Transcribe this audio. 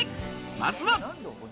まずは。